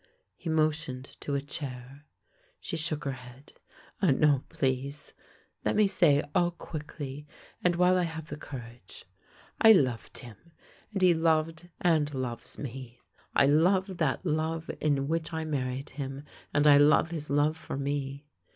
" He motioned to a chair. She shook her head. " Ah, no, please. Let me say all quickly and while I have the courage. I loved him, and he loved and loves me. I love that love in which I married him, and I love his love for me.